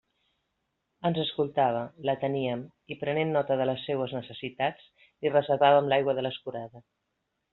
Ens escoltava, l'ateníem, i prenent nota de les seues necessitats, li reservàvem l'aigua de l'escurada.